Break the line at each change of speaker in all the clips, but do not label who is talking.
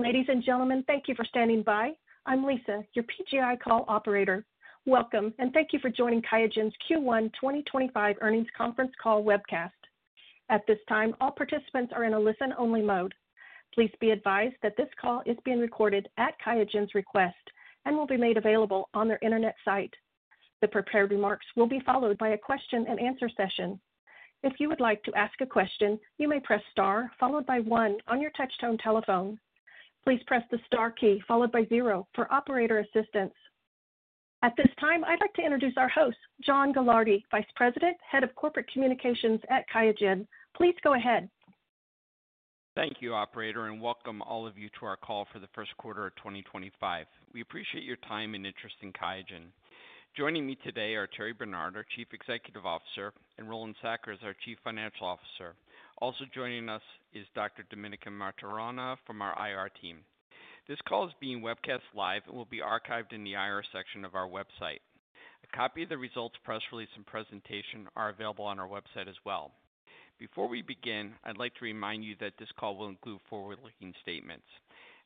Ladies and gentlemen, thank you for standing by. I'm Lisa, your PGI call operator. Welcome, and thank you for joining Qiagen's Q1 2025 earnings conference call webcast. At this time, all participants are in a listen-only mode. Please be advised that this call is being recorded at Qiagen's request and will be made available on their internet site. The prepared remarks will be followed by a question-and-answer session. If you would like to ask a question, you may press star followed by one on your touch-tone telephone. Please press the star key followed by zero for operator assistance. At this time, I'd like to introduce our host, John Gilardi, Vice President, Head of Corporate Communications at Qiagen. Please go ahead.
Thank you, Operator, and welcome all of you to our call for the first quarter of 2025. We appreciate your time and interest in QIAGEN. Joining me today are Thierry Bernard, our Chief Executive Officer, and Roland Sackers, our Chief Financial Officer. Also joining us is Dr. Domenica Maturana from our IR team. This call is being webcast live and will be archived in the IR section of our website. A copy of the results, press release, and presentation are available on our website as well. Before we begin, I'd like to remind you that this call will include forward-looking statements.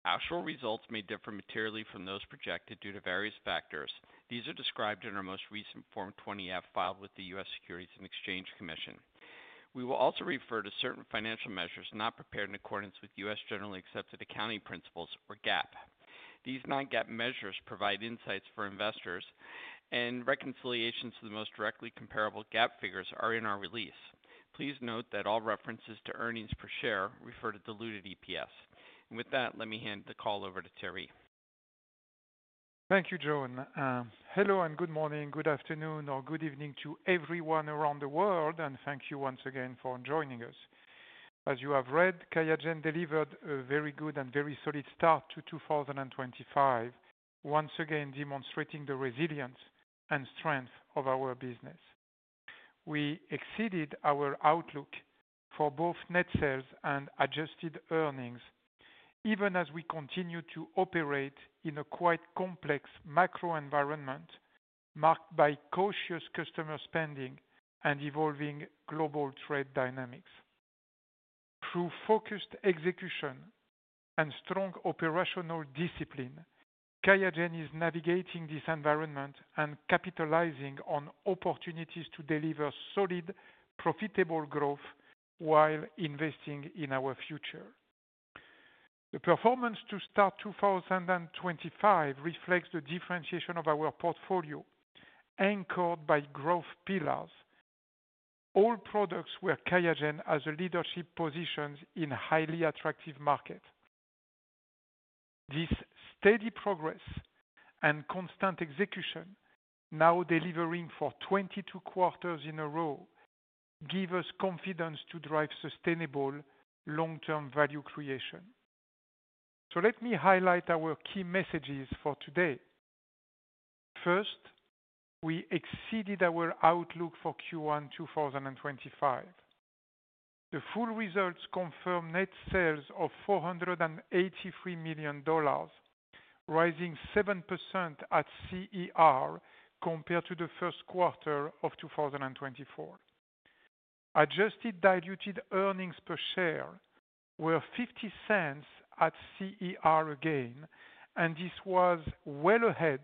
Actual results may differ materially from those projected due to various factors. These are described in our most recent Form 20-F filed with the U.S. Securities and Exchange Commission. We will also refer to certain financial measures not prepared in accordance with U.S. Generally Accepted Accounting Principles, or GAAP. These non-GAAP measures provide insights for investors, and reconciliations to the most directly comparable GAAP figures are in our release. Please note that all references to earnings per share refer to diluted EPS. And with that, let me hand the call over to Thierry.
Thank you, John. Hello and good morning, good afternoon, or good evening to everyone around the world, and thank you once again for joining us. As you have read, QIAGEN delivered a very good and very solid start to 2025, once again demonstrating the resilience and strength of our business. We exceeded our outlook for both net sales and adjusted earnings, even as we continue to operate in a quite complex macro environment marked by cautious customer spending and evolving global trade dynamics. Through focused execution and strong operational discipline, QIAGEN is navigating this environment and capitalizing on opportunities to deliver solid, profitable growth while investing in our future. The performance to start 2025 reflects the differentiation of our portfolio, anchored by growth pillars, all products where QIAGEN has a leadership position in highly attractive markets. This steady progress and constant execution, now delivering for 22 quarters in a row, gives us confidence to drive sustainable, long-term value creation, so let me highlight our key messages for today. First, we exceeded our outlook for Q1 2025. The full results confirm net sales of $483 million, rising 7% at CER compared to the first quarter of 2024. Adjusted diluted earnings per share were $0.50 at CER again, and this was well ahead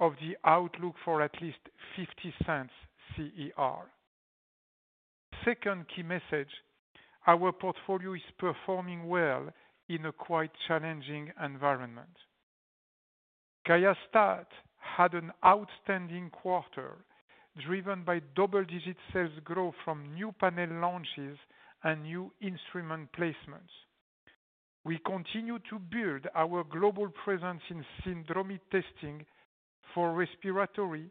of the outlook for at least $0.50 CER. Second key message, our portfolio is performing well in a quite challenging environment. QIAstat-Dx had an outstanding quarter, driven by double-digit sales growth from new panel launches and new instrument placements. We continue to build our global presence in syndromic testing for respiratory,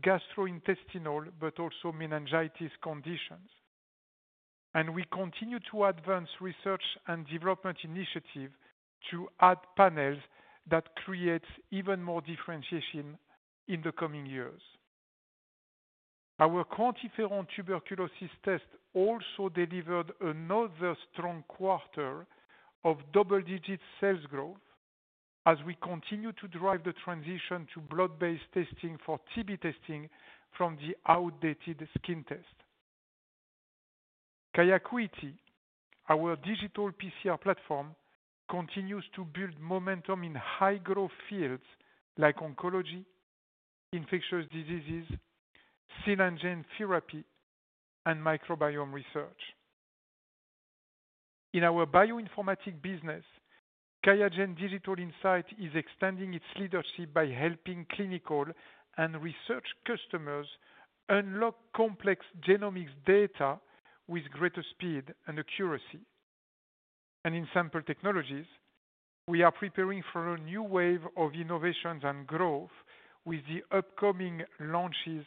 gastrointestinal, but also meningitis conditions. We continue to advance research and development initiatives to add panels that create even more differentiation in the coming years. Our QuantiFERON tuberculosis test also delivered another strong quarter of double-digit sales growth, as we continue to drive the transition to blood-based testing for TB testing from the outdated skin test. QIAcuity, our digital PCR platform, continues to build momentum in high-growth fields like oncology, infectious diseases, cell and gene therapy, and microbiome research. In our bioinformatics business, QIAGEN Digital Insights is extending its leadership by helping clinical and research customers unlock complex genomics data with greater speed and accuracy. In sample technologies, we are preparing for a new wave of innovations and growth with the upcoming launches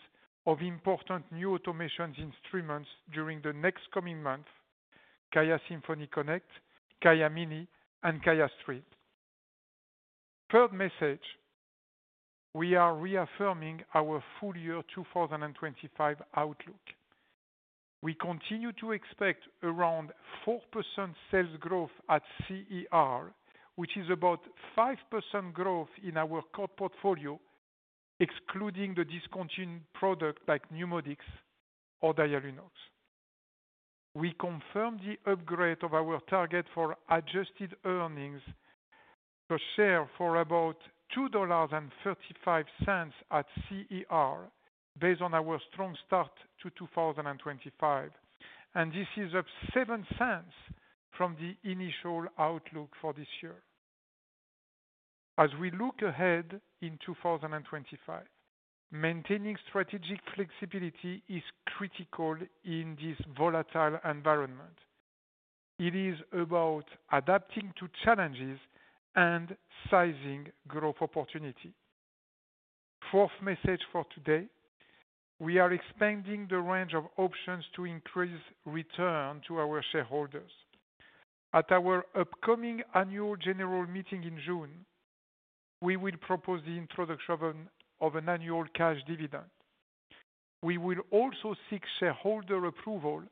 of important new automation instruments during the next coming month: QIAsymphony Connect, QIAmini, and QIAsprint. Third message, we are reaffirming our full year 2025 outlook. We continue to expect around 4% sales growth at CER, which is about 5% growth in our core portfolio, excluding the discontinued products like NeuMoDx or Dialunox. We confirmed the upgrade of our target for adjusted earnings per share for about $2.35 at CER, based on our strong start to 2025, and this is up 7% from the initial outlook for this year. As we look ahead in 2025, maintaining strategic flexibility is critical in this volatile environment. It is about adapting to challenges and sizing growth opportunity. Fourth message for today, we are expanding the range of options to increase return to our shareholders. At our upcoming annual general meeting in June, we will propose the introduction of an annual cash dividend. We will also seek shareholder approval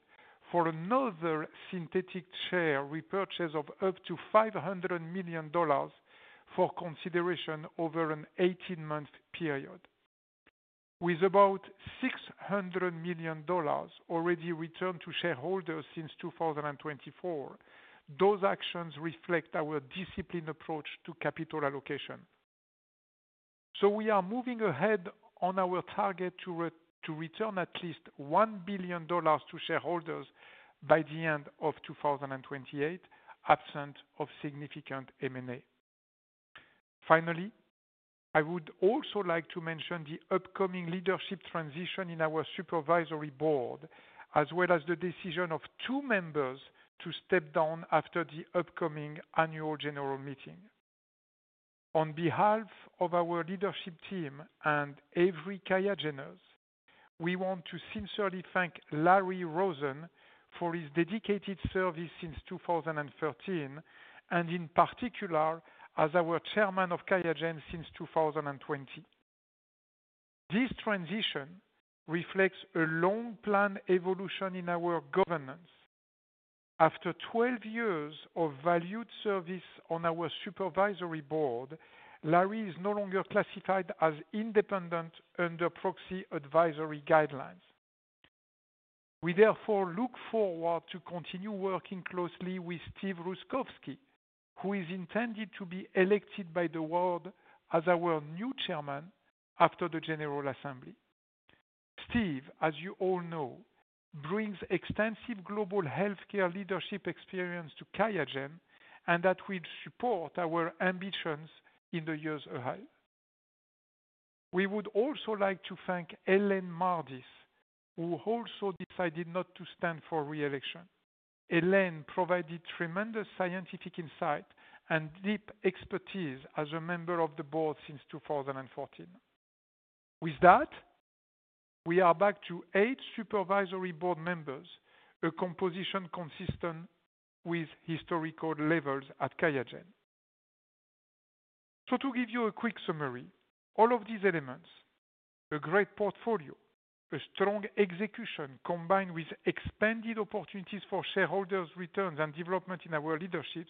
for another synthetic share repurchase of up to $500 million for consideration over an 18-month period. With about $600 million already returned to shareholders since 2024, those actions reflect our disciplined approach to capital allocation. So we are moving ahead on our target to return at least $1 billion to shareholders by the end of 2028, absent of significant M&A. Finally, I would also like to mention the upcoming leadership transition in our supervisory board, as well as the decision of two members to step down after the upcoming annual general meeting. On behalf of our leadership team and every QIAGENers, we want to sincerely thank Larry Rosen for his dedicated service since 2013, and in particular as our Chairman of QIAGEN since 2020. This transition reflects a long-planned evolution in our governance. After 12 years of valued service on our supervisory board, Larry is no longer classified as independent under proxy advisory guidelines. We therefore look forward to continuing working closely with Steve Rusckowski, who is intended to be elected by the board as our new chairman after the general assembly. Steve, as you all know, brings extensive global healthcare leadership experience to Qiagen and that will support our ambitions in the years ahead. We would also like to thank Elaine Mardis, who also decided not to stand for re-election. Elaine provided tremendous scientific insight and deep expertise as a member of the board since 2014. With that, we are back to eight supervisory board members, a composition consistent with historical levels at Qiagen. So to give you a quick summary, all of these elements, a great portfolio, a strong execution combined with expanded opportunities for shareholders' returns and development in our leaderships,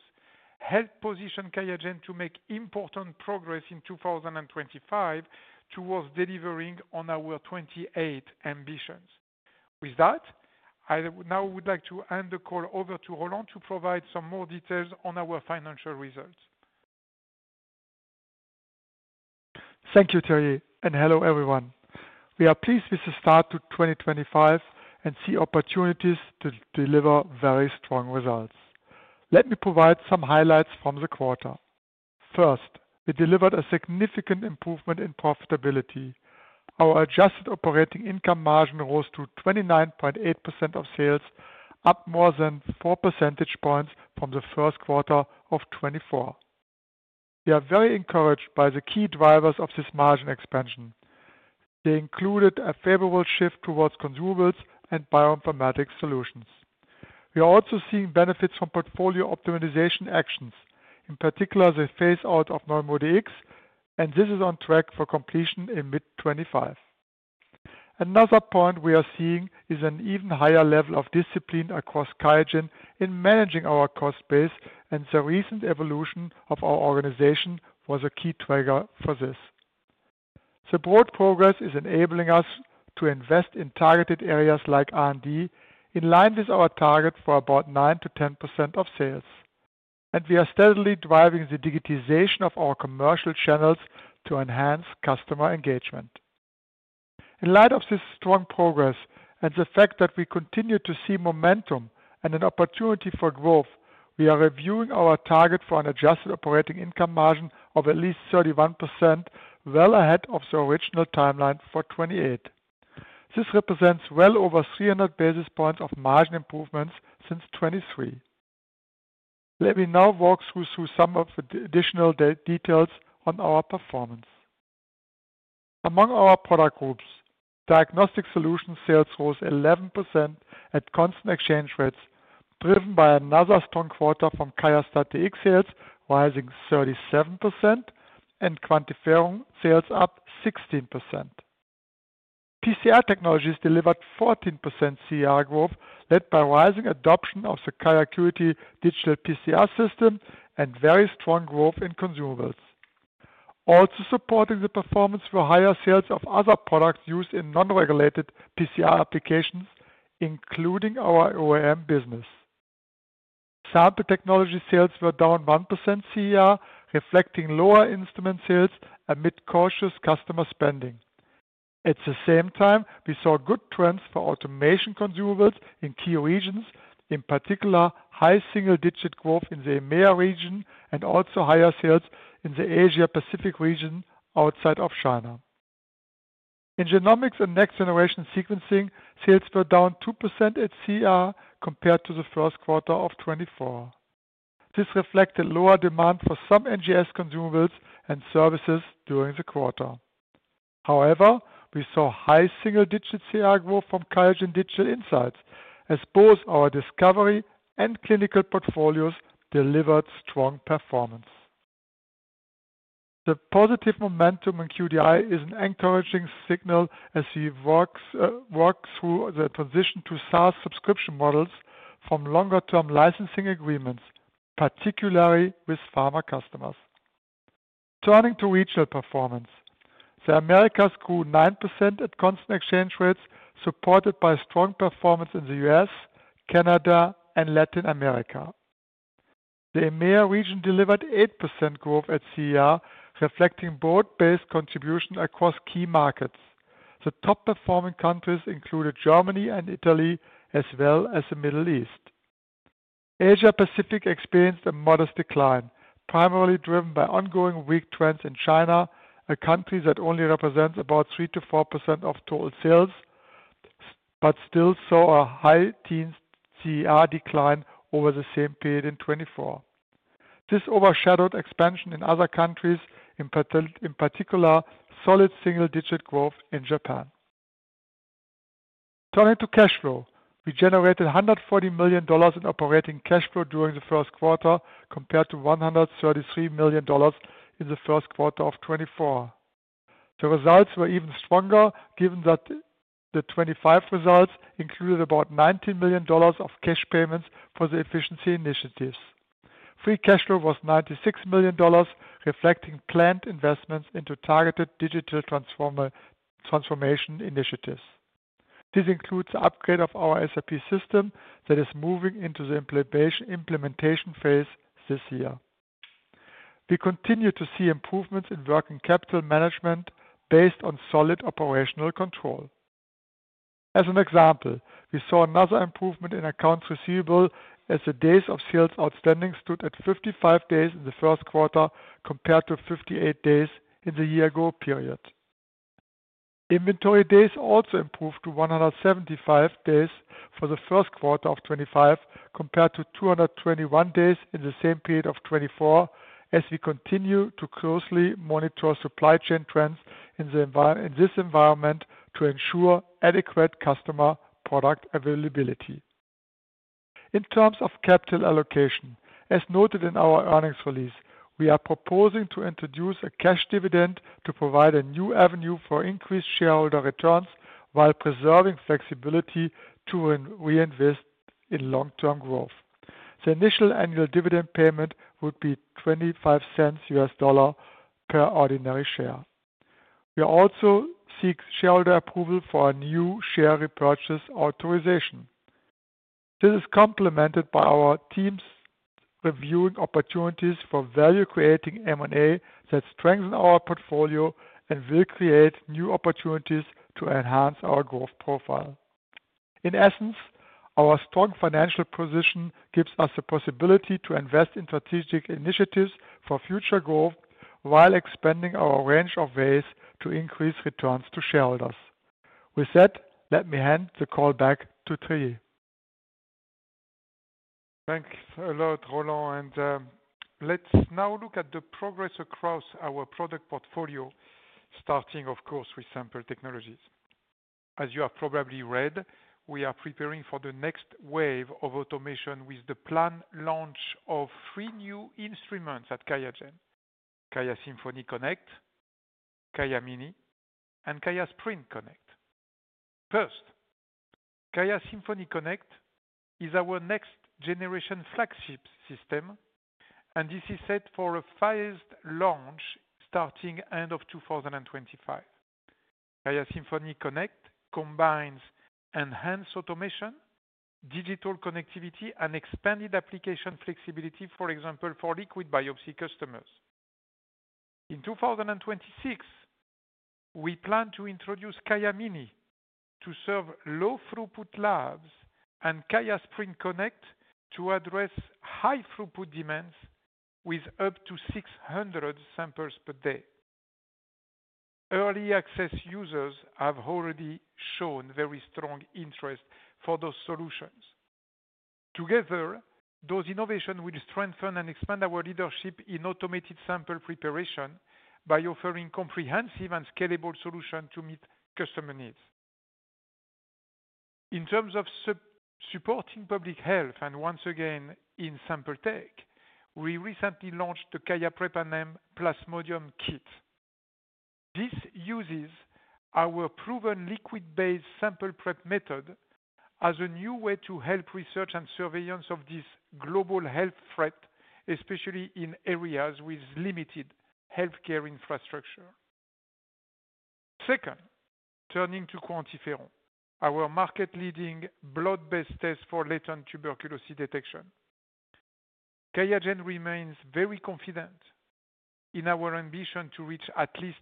help position Qiagen to make important progress in 2025 towards delivering on our 2028 ambitions. With that, I now would like to hand the call over to Roland to provide some more details on our financial results.
Thank you, Thierry, and hello everyone. We are pleased with the start to 2025 and see opportunities to deliver very strong results. Let me provide some highlights from the quarter. First, we delivered a significant improvement in profitability. Our adjusted operating income margin rose to 29.8% of sales, up more than four percentage points from the first quarter of 2024. We are very encouraged by the key drivers of this margin expansion. They included a favorable shift towards consumables and bioinformatics solutions. We are also seeing benefits from portfolio optimization actions, in particular the phase-out of NeuMoDx, and this is on track for completion in mid-2025. Another point we are seeing is an even higher level of discipline across QIAGEN in managing our cost base, and the recent evolution of our organization was a key trigger for this. The broad progress is enabling us to invest in targeted areas like R&D, in line with our target for about 9%-10% of sales. And we are steadily driving the digitization of our commercial channels to enhance customer engagement. In light of this strong progress and the fact that we continue to see momentum and an opportunity for growth, we are reviewing our target for an adjusted operating income margin of at least 31%, well ahead of the original timeline for 2028. This represents well over 300 basis points of margin improvements since 2023. Let me now walk you through some of the additional details on our performance. Among our product groups, diagnostic solutions sales rose 11% at constant exchange rates, driven by another strong quarter from QIAstat-Dx sales, rising 37%, and QuantiFERON sales up 16%. PCR technologies delivered 14% CER growth, led by rising adoption of the QIAcuity, digital PCR system, and very strong growth in consumables. Also supporting the performance were higher sales of other products used in non-regulated PCR applications, including our OEM business. Sample technology sales were down 1% CER, reflecting lower instrument sales amid cautious customer spending. At the same time, we saw good trends for automation consumables in key regions, in particular high single-digit growth in the EMEA region and also higher sales in the Asia-Pacific region outside of China. In genomics and next-generation sequencing, sales were down 2% at CER compared to the first quarter of 2024. This reflected lower demand for some NGS consumables and services during the quarter. However, we saw high single-digit CER growth from QIAGEN Digital Insights, as both our discovery and clinical portfolios delivered strong performance. The positive momentum in QDI is an encouraging signal as we work through the transition to SaaS subscription models from longer-term licensing agreements, particularly with pharma customers. Returning to regional performance, the Americas grew 9% at constant exchange rates, supported by strong performance in the U.S., Canada, and Latin America. The EMEA region delivered 8% growth at CER, reflecting broad-based contribution across key markets. The top-performing countries included Germany and Italy, as well as the Middle East. Asia-Pacific experienced a modest decline, primarily driven by ongoing weak trends in China, a country that only represents about 3%-4% of total sales, but still saw a high teen CER decline over the same period in 2024. This overshadowed expansion in other countries, in particular solid single-digit growth in Japan. Turning to cash flow, we generated $140 million in operating cash flow during the first quarter compared to $133 million in the first quarter of 2024. The results were even stronger, given that the 2025 results included about $19 million of cash payments for the efficiency initiatives. Free cash flow was $96 million, reflecting planned investments into targeted digital transformation initiatives. This includes the upgrade of our SAP system that is moving into the implementation phase this year. We continue to see improvements in working capital management based on solid operational control. As an example, we saw another improvement in accounts receivable, as the days of sales outstanding stood at 55 days in the first quarter compared to 58 days in the year-ago period. Inventory days also improved to 175 days for the first quarter of 2025, compared to 221 days in the same period of 2024, as we continue to closely monitor supply chain trends in this environment to ensure adequate customer product availability. In terms of capital allocation, as noted in our earnings release, we are proposing to introduce a cash dividend to provide a new avenue for increased shareholder returns while preserving flexibility to reinvest in long-term growth. The initial annual dividend payment would be $0.25 U.S.D per ordinary share. We also seek shareholder approval for a new share repurchase authorization. This is complemented by our teams reviewing opportunities for value-creating M&A that strengthen our portfolio and will create new opportunities to enhance our growth profile. In essence, our strong financial position gives us the possibility to invest in strategic initiatives for future growth while expanding our range of ways to increase returns to shareholders. With that, let me hand the call back to Thierry.
Thanks a lot, Roland, and let's now look at the progress across our product portfolio, starting, of course, with Sample Technologies. As you have probably read, we are preparing for the next wave of automation with the planned launch of three new instruments at QIAGEN: QIAsymphony Connect, QIAmini, and QIAsprint Connect. First, QIAsymphony Connect is our next-generation flagship system, and this is set for a fast launch starting end of 2025. QIAsymphony Connect combines enhanced automation, digital connectivity, and expanded application flexibility, for example, for liquid biopsy customers. In 2026, we plan to introduce QIAmini to serve low-throughput labs and QIAsprint Connect to address high-throughput demands with up to 600 samples per day. Early access users have already shown very strong interest for those solutions. Together, those innovations will strengthen and expand our leadership in automated sample preparation by offering comprehensive and scalable solutions to meet customer needs. In terms of supporting public health, and once again in sample technologies, we recently launched the QIAprep and Plasmodium Kit. This uses our proven liquid-based sample prep method as a new way to help research and surveillance of this global health threat, especially in areas with limited healthcare infrastructure. Second, turning to QuantiFERON, our market-leading blood-based test for latent tuberculosis detection, Qiagen remains very confident in our ambition to reach at least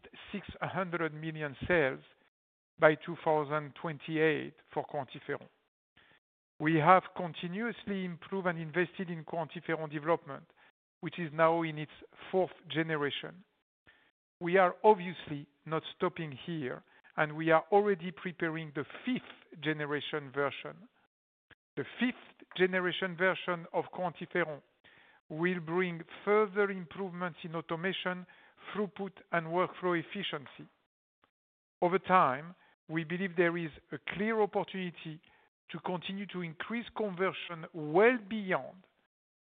$600 million sales by 2028 for QuantiFERON. We have continuously improved and invested in QuantiFERON development, which is now in its fourth generation. We are obviously not stopping here, and we are already preparing the fifth generation version. The fifth generation version of QuantiFERON will bring further improvements in automation, throughput, and workflow efficiency. Over time, we believe there is a clear opportunity to continue to increase conversion well beyond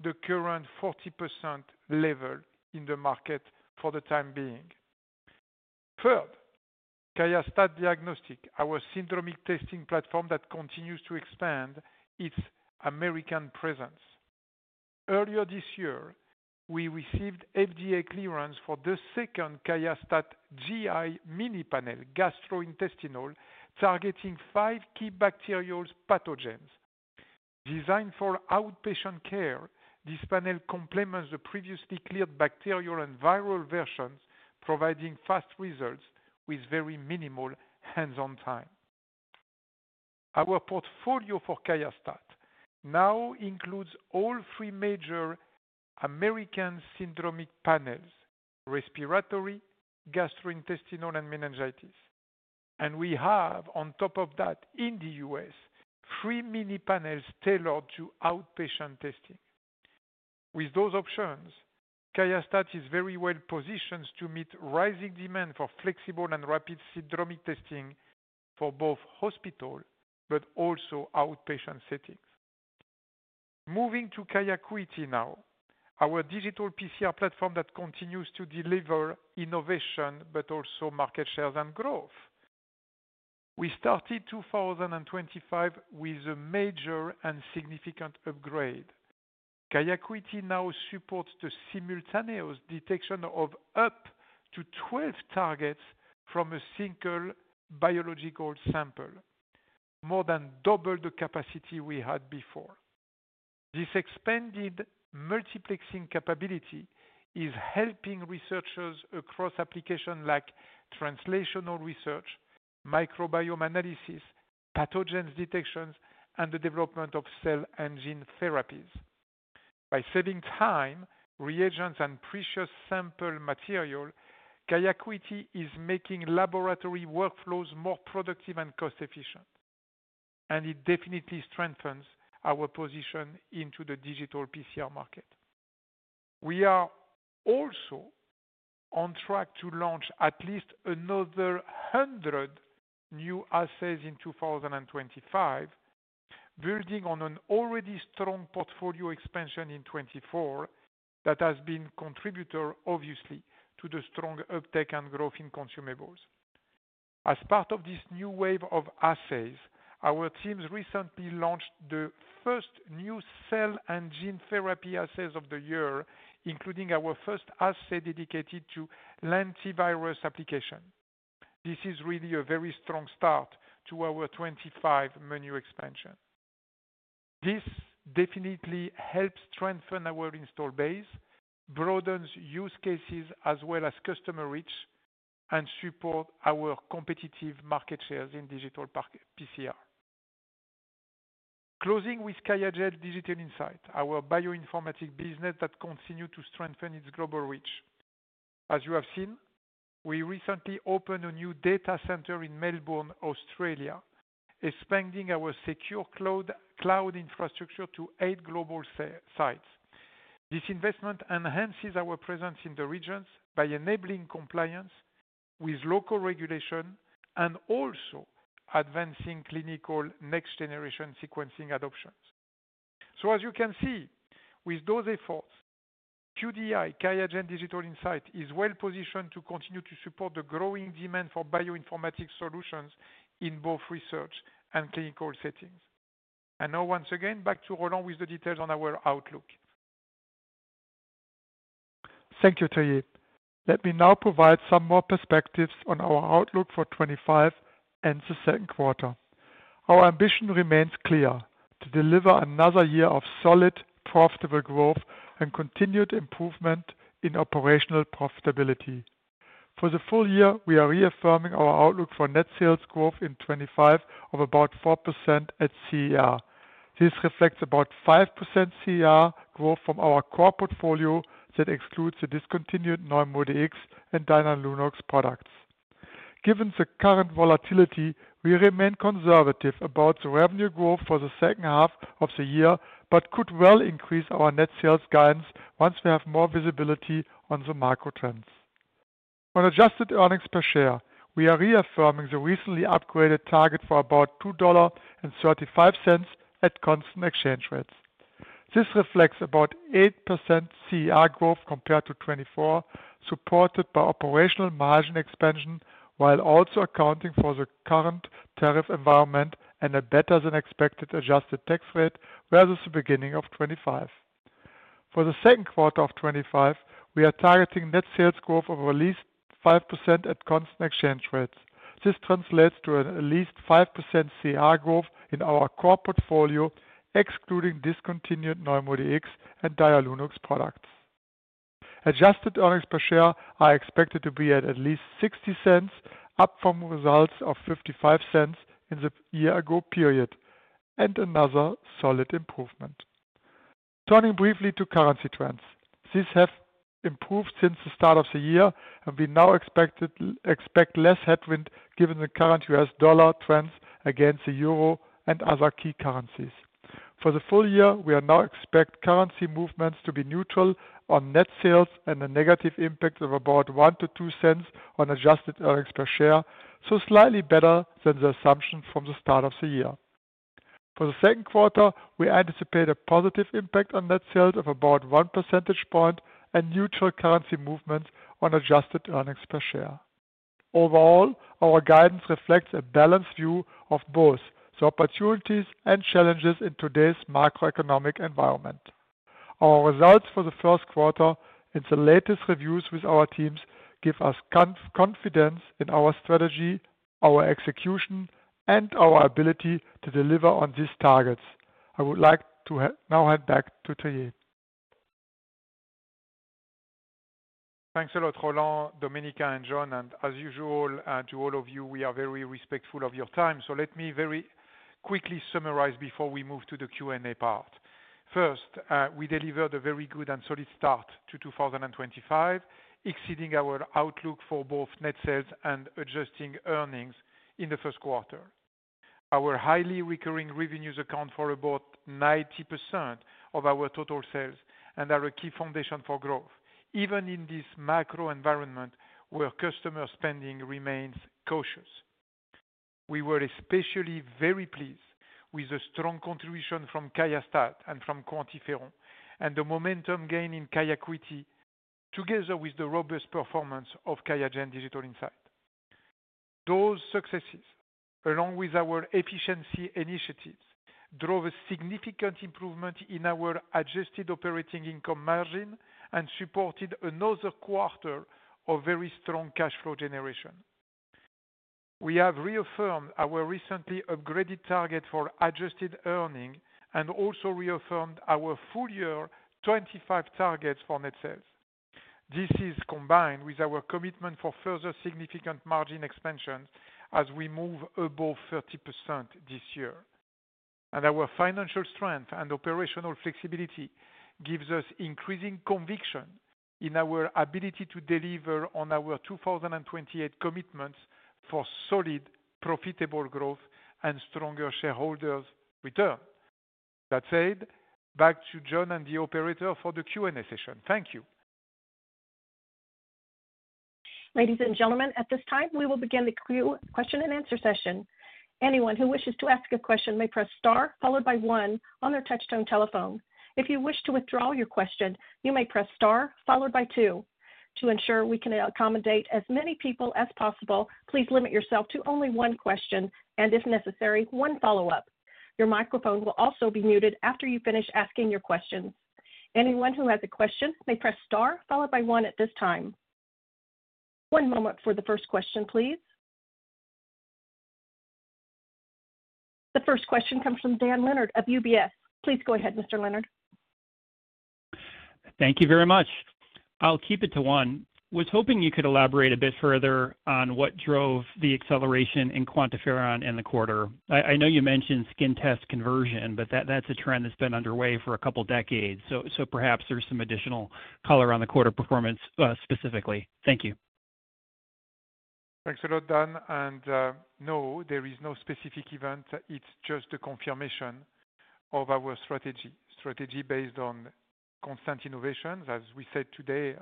the current 40% level in the market for the time being. Third, QIAstat-Dx, our syndromic testing platform that continues to expand its American presence. Earlier this year, we received FDA clearance for the second QIAstat-Dx GI mini panel, gastrointestinal, targeting five key bacterial pathogens. Designed for outpatient care, this panel complements the previously cleared bacterial and viral versions, providing fast results with very minimal hands-on time. Our portfolio for QIAstat-Dx now includes all three major American syndromic panels: respiratory, gastrointestinal, and meningitis. We have, on top of that, in the U.S., three mini panels tailored to outpatient testing. With those options, QIAstat is very well positioned to meet rising demand for flexible and rapid syndromic testing for both hospital but also outpatient settings. Moving to QIAcuity, now, our digital PCR platform that continues to deliver innovation but also market shares and growth. We started 2025 with a major and significant upgrade. QIAcuity, now, supports the simultaneous detection of up to 12 targets from a single biological sample, more than double the capacity we had before. This expanded multiplexing capability is helping researchers across applications like translational research, microbiome analysis, pathogen detection, and the development of cell and gene therapies. By saving time, reagents, and precious sample material, QIAcuity is making laboratory workflows more productive and cost-efficient. And it definitely strengthens our position into the digital PCR market. We are also on track to launch at least another 100 new assays in 2025, building on an already strong portfolio expansion in 2024 that has been contributor, obviously, to the strong uptake and growth in consumables. As part of this new wave of assays, our teams recently launched the first new cell and gene therapy assays of the year, including our first assay dedicated to antiviral application. This is really a very strong start to our 2025 menu expansion. This definitely helps strengthen our installed base, broadens use cases as well as customer reach, and supports our competitive market shares in digital PCR. Closing with QIAGEN Digital Insights, our bioinformatics business that continues to strengthen its global reach. As you have seen, we recently opened a new data center in Melbourne, Australia, expanding our secure cloud infrastructure to eight global sites. This investment enhances our presence in the regions by enabling compliance with local regulation and also advancing clinical next-generation sequencing adoptions, so as you can see, with those efforts, QDI, QIAGEN Digital Insights is well positioned to continue to support the growing demand for bioinformatics solutions in both research and clinical settings, and now, once again, back to Roland with the details on our outlook.
Thank you, Thierry. Let me now provide some more perspectives on our outlook for 2025 and the second quarter. Our ambition remains clear: to deliver another year of solid, profitable growth and continued improvement in operational profitability. For the full year, we are reaffirming our outlook for net sales growth in 2025 of about 4% at CER. This reflects about 5% CER growth from our core portfolio that excludes the discontinued NeuMoDx and Dialunox products. Given the current volatility, we remain conservative about the revenue growth for the second half of the year but could well increase our net sales guidance once we have more visibility on the macro trends. On adjusted earnings per share, we are reaffirming the recently upgraded target for about $2.35 at constant exchange rates. This reflects about 8% CER growth compared to 2024, supported by operational margin expansion while also accounting for the current tariff environment and a better-than-expected adjusted tax rate versus the beginning of 2025. For the second quarter of 2025, we are targeting net sales growth of at least 5% at constant exchange rates. This translates to at least 5% CER growth in our core portfolio, excluding discontinued NeuMoDx and Dialunox products. Adjusted earnings per share are expected to be at least $0.60, up from results of $0.55 in the year-ago period, and another solid improvement. Turning briefly to currency trends, these have improved since the start of the year, and we now expect less headwind given the current U.S. dollar trends against the euro and other key currencies. For the full year, we now expect currency movements to be neutral on net sales and a negative impact of about $0.01 to $0.02 on adjusted earnings per share, so slightly better than the assumption from the start of the year. For the second quarter, we anticipate a positive impact on net sales of about 1 percentage point and neutral currency movements on adjusted earnings per share. Overall, our guidance reflects a balanced view of both the opportunities and challenges in today's macroeconomic environment. Our results for the first quarter in the latest reviews with our teams give us confidence in our strategy, our execution, and our ability to deliver on these targets. I would like to now hand back to Thierry.
Thanks a lot, Roland, Domenica, and John, and as usual, to all of you, we are very respectful of your time, so let me very quickly summarize before we move to the Q&A part. First, we delivered a very good and solid start to 2025, exceeding our outlook for both net sales and adjusting earnings in the first quarter. Our highly recurring revenues account for about 90% of our total sales and are a key foundation for growth, even in this macro environment where customer spending remains cautious. We were especially very pleased with the strong contribution from QIAstat and from QuantiFERON and the momentum gain in QIAcuity, together with the robust performance of QIAGEN Digital Insights. Those successes, along with our efficiency initiatives, drove a significant improvement in our adjusted operating income margin and supported another quarter of very strong cash flow generation. We have reaffirmed our recently upgraded target for adjusted earnings and also reaffirmed our full-year 2025 targets for net sales. This is combined with our commitment for further significant margin expansions as we move above 30% this year. Our financial strength and operational flexibility give us increasing conviction in our ability to deliver on our 2028 commitments for solid, profitable growth and stronger shareholders' return. That said, back to John and the operator for the Q&A session.
Thank you. Ladies and gentlemen, at this time, we will begin the Q&A session. Anyone who wishes to ask a question may press star followed by one on their touch-tone telephone. If you wish to withdraw your question, you may press star followed by two. To ensure we can accommodate as many people as possible, please limit yourself to only one question and, if necessary, one follow-up. Your microphone will also be muted after you finish asking your questions. Anyone who has a question may press star followed by one at this time. One moment for the first question, please. The first question comes from Dan Leonard of UBS. Please go ahead, Mr. Leonard.
Thank you very much. I'll keep it to one. I was hoping you could elaborate a bit further on what drove the acceleration in QuantiFERON in the quarter. I know you mentioned skin test conversion, but that's a trend that's been underway for a couple of decades. So perhaps there's some additional color on the quarter performance specifically. Thank you.
Thanks a lot, Dan. And no, there is no specific event. It's just the confirmation of our strategy, strategy based on constant innovations. As we said today,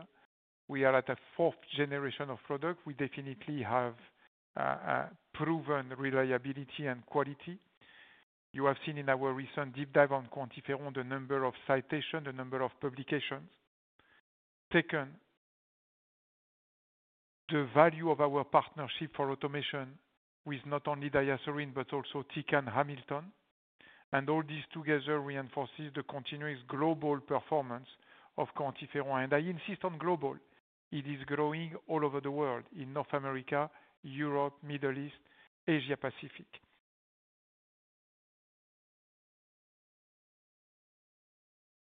we are at a fourth generation of product. We definitely have proven reliability and quality. You have seen in our recent deep dive on QuantiFERON the number of citations, the number of publications. Second, the value of our partnership for automation with not only DiaSorin but also Tecan, Hamilton. And all these together reinforce the continuous global performance of QuantiFERON. And I insist on global. It is growing all over the world in North America, Europe, the Middle East, Asia-Pacific.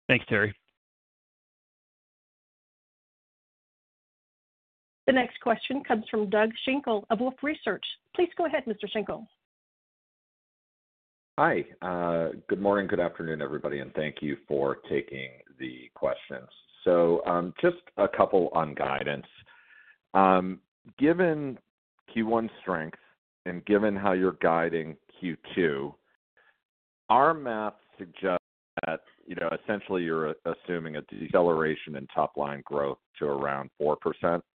Thanks, Thierry.
The next question comes from Doug Schenkel of Wolfe Research. Please go ahead, Mr. Schenkel.
Hi. Good morning, good afternoon, everybody. And thank you for taking the questions. So just a couple on guidance. Given Q1 strength and given how you're guiding Q2, our math suggests that essentially you're assuming a deceleration in top-line growth to around 4%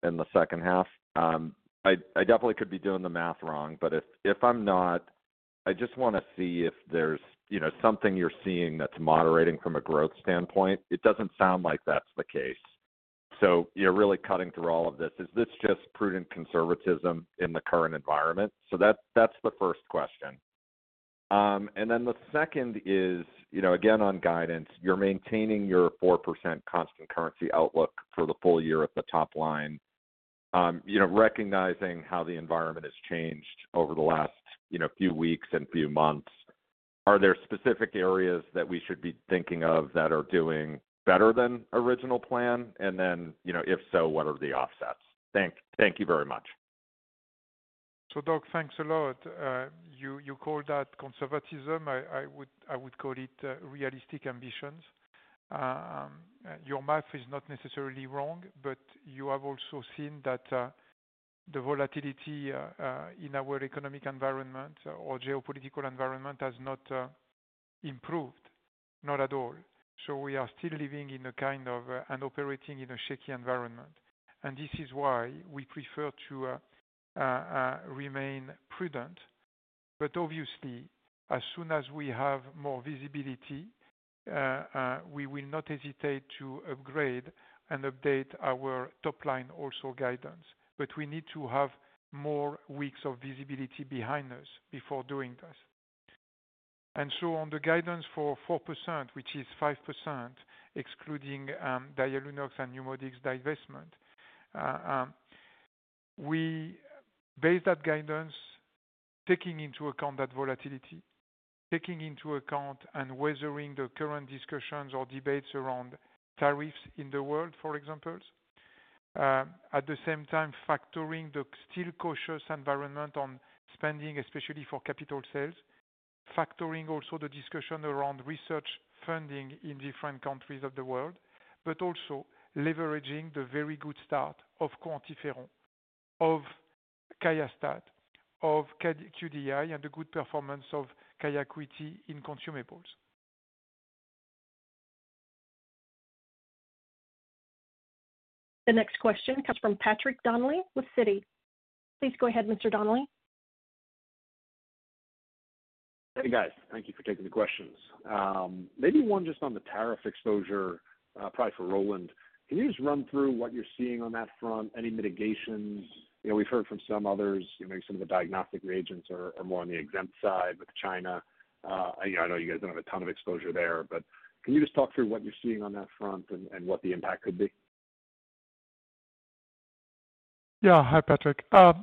in the second half. I definitely could be doing the math wrong, but if I'm not, I just want to see if there's something you're seeing that's moderating from a growth standpoint. It doesn't sound like that's the case. So you're really cutting through all of this. Is this just prudent conservatism in the current environment? So that's the first question. And then the second is, again, on guidance, you're maintaining your 4% constant currency outlook for the full year at the top line, recognizing how the environment has changed over the last few weeks and few months. Are there specific areas that we should be thinking of that are doing better than original plan? And then if so, what are the offsets? Thank you very much.
So Doug, thanks a lot. You called that conservatism. I would call it realistic ambitions. Your math is not necessarily wrong, but you have also seen that the volatility in our economic environment or geopolitical environment has not improved, not at all. So we are still living in a kind of and operating in a shaky environment. And this is why we prefer to remain prudent. But obviously, as soon as we have more visibility, we will not hesitate to upgrade and update our top-line also guidance. But we need to have more weeks of visibility behind us before doing this. And so on the guidance for 4%, which is 5%, excluding DiaSorin and NeuMoDx divestment, we base that guidance taking into account that volatility, taking into account and weathering the current discussions or debates around tariffs in the world, for example. At the same time, factoring the still cautious environment on spending, especially for capital sales, factoring also the discussion around research funding in different countries of the world, but also leveraging the very good start of QuantiFERON, of QIAstat, of QDI, and the good performance of QIAcuity in consumables.
The next question comes from Patrick Donnelly with Citi. Please go ahead, Mr. Donnelly.
Hey, guys. Thank you for taking the questions. Maybe one just on the tariff exposure, probably for Roland. Can you just run through what you're seeing on that front? Any mitigations? We've heard from some others, maybe some of the diagnostic reagents are more on the exempt side with China. I know you guys don't have a ton of exposure there, but can you just talk through what you're seeing on that front and what the impact could be?
Yeah. Hi, Patrick. I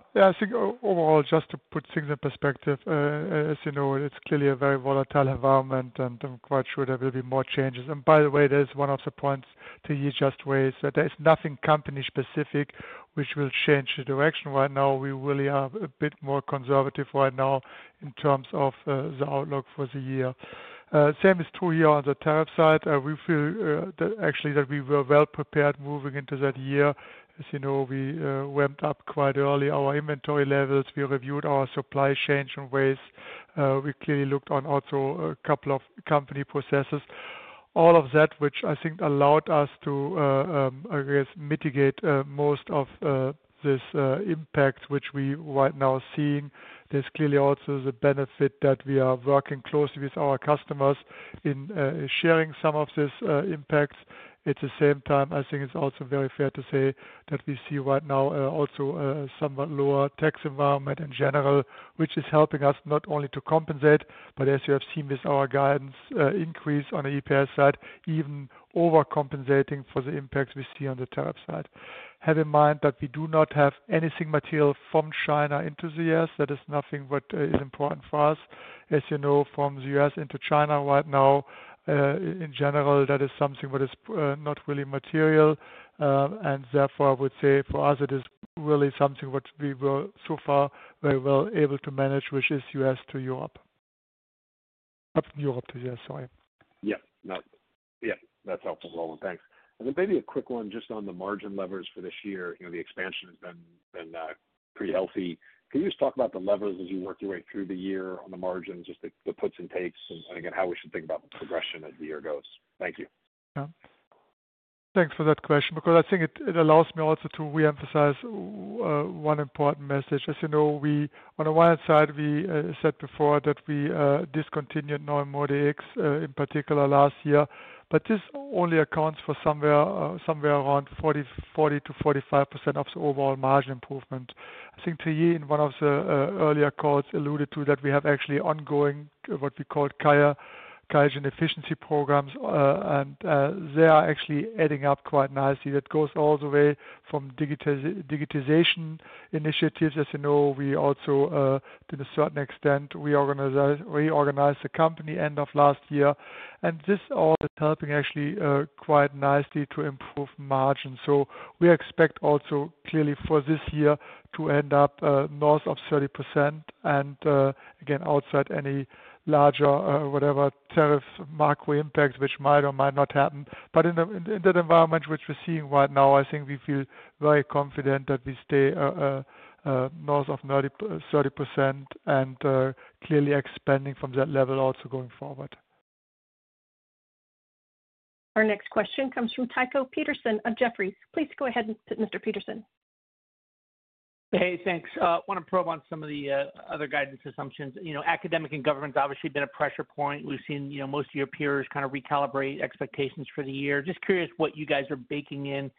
think overall, just to put things in perspective, as you know, it's clearly a very volatile environment, and I'm quite sure there will be more changes. And by the way, there's one of the points that you just raised. There is nothing company-specific which will change the direction. Right now, we really are a bit more conservative right now in terms of the outlook for the year. Same is true here on the tariff side. We feel actually that we were well prepared moving into that year. As you know, we went up quite early our inventory levels. We reviewed our supply chain in ways. We clearly looked on also a couple of company processes. All of that, which I think allowed us to, I guess, mitigate most of this impact which we right now see. There's clearly also the benefit that we are working closely with our customers in sharing some of these impacts. At the same time, I think it's also very fair to say that we see right now also a somewhat lower tax environment in general, which is helping us not only to compensate, but as you have seen with our guidance increase on the EPS side, even overcompensating for the impacts we see on the tariff side. Have in mind that we do not have anything material from China into the U.S. That is nothing what is important for us. As you know, from the U.S. into China right now, in general, that is something what is not really material. And therefore, I would say for us, it is really something what we were so far very well able to manage, which is U.S. to Europe. Europe to the U.S., sorry.
Yeah. Yeah. That's helpful, Roland. Thanks. And then maybe a quick one just on the margin levers for this year. The expansion has been pretty healthy. Can you just talk about the levers as you work your way through the year on the margins, just the puts and takes, and again, how we should think about the progression as the year goes? Thank you.
Thanks for that question because I think it allows me also to reemphasize one important message. As you know, on the one hand side, we said before that we discontinued NeuMoDx in particular last year, but this only accounts for somewhere around 40%-45% of the overall margin improvement. I think Thierry, in one of the earlier calls, alluded to that we have actually ongoing what we call QIAGEN efficiency programs, and they are actually adding up quite nicely. That goes all the way from digitization initiatives. As you know, we also, to a certain extent, reorganized the company end of last year, and this all is helping actually quite nicely to improve margins, so we expect also clearly for this year to end up north of 30% and again, outside any larger whatever tariffs macro impacts, which might or might not happen. But in that environment which we're seeing right now, I think we feel very confident that we stay north of 30% and clearly expanding from that level also going forward.
Our next question comes from Tycho Peterson of Jefferies. Please go ahead, Mr. Peterson.
Hey, thanks. I want to probe on some of the other guidance assumptions. Academic and government has obviously been a pressure point. We've seen most of your peers kind of recalibrate expectations for the year. Just curious what you guys are baking in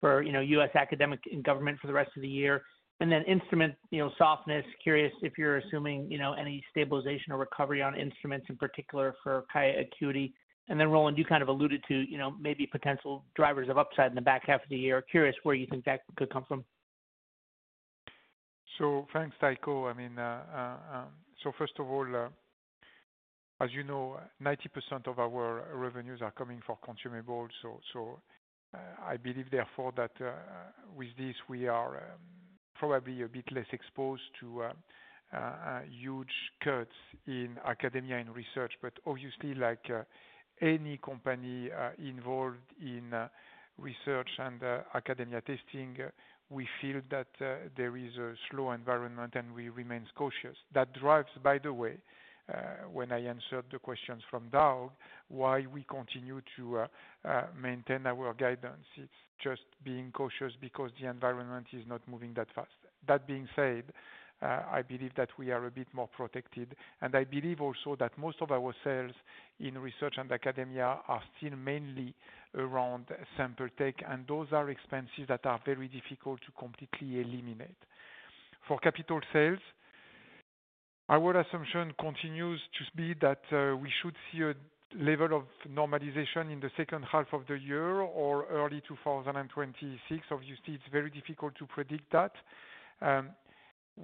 for U.S. academic and government for the rest of the year. And then instrument softness, curious if you're assuming any stabilization or recovery on instruments in particular for QIAcuity. And then Roland, you kind of alluded to maybe potential drivers of upside in the back half of the year. Curious where you think that could come from.
So thanks, Tycho. I mean, so first of all, as you know, 90% of our revenues are coming from consumables. So I believe therefore that with this, we are probably a bit less exposed to huge cuts in academia and research. But obviously, like any company involved in research and academia testing, we feel that there is a slow environment and we remain cautious. That drives, by the way, when I answered the questions from Doug, why we continue to maintain our guidance. It's just being cautious because the environment is not moving that fast. That being said, I believe that we are a bit more protected. And I believe also that most of our sales in research and academia are still mainly around sample tech, and those are expenses that are very difficult to completely eliminate. For capital sales, our assumption continues to be that we should see a level of normalization in the second half of the year or early 2026. Obviously, it's very difficult to predict that.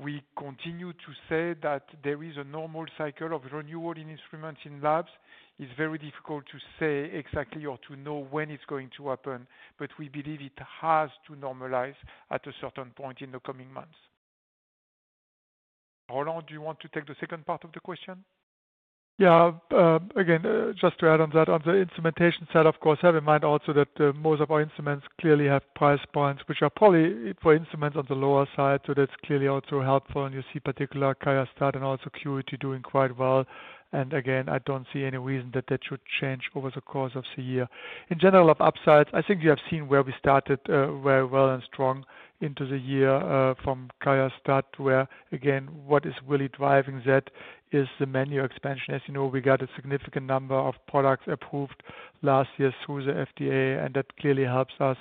We continue to say that there is a normal cycle of renewal in instruments in labs. It's very difficult to say exactly or to know when it's going to happen, but we believe it has to normalize at a certain point in the coming months. Roland, do you want to take the second part of the question?
Yeah. Again, just to add on that, on the instrumentation side, of course, have in mind also that most of our instruments clearly have price points, which are probably for instruments on the lower side. So that's clearly also helpful. And you see particular QIAstat and also QIAcuity doing quite well. I don't see any reason that that should change over the course of the year. In general, of upsides, I think you have seen where we started very well and strong into the year from QIAstat, where again, what is really driving that is the menu expansion. As you know, we got a significant number of products approved last year through the FDA, and that clearly helps us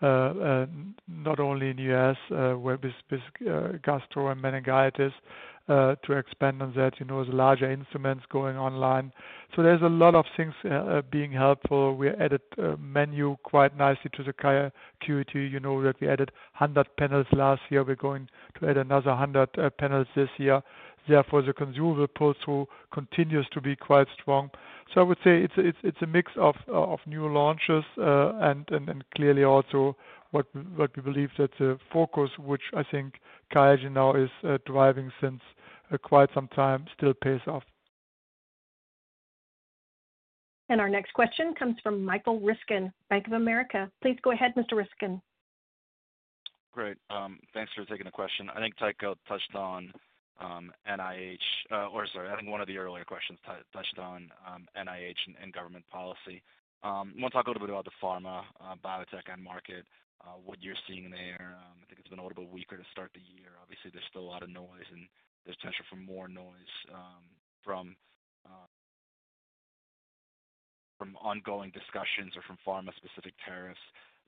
not only in the U.S., where gastro and meningitis to expand on that, as larger instruments going online. So there's a lot of things being helpful. We added menu quite nicely to the QIAstat. You know that we added 100 panels last year. We're going to add another 100 panels this year. Therefore, the consumable pull-through continues to be quite strong. So I would say it's a mix of new launches and clearly also what we believe that the focus, which I think QIAGEN now is driving since quite some time, still pays off.
Our next question comes from Michael Ryskin, Bank of America. Please go ahead, Mr. Ryskin.
Great. Thanks for taking the question. I think Tycho touched on NIH, or sorry, I think one of the earlier questions touched on NIH and government policy. I want to talk a little bit about the pharma biotech end market, what you're seeing there. I think it's been a little bit weaker to start the year. Obviously, there's still a lot of noise, and there's potential for more noise from ongoing discussions or from pharma-specific tariffs.